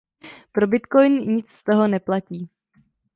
Pro Bitcoin nic z toho neplatí.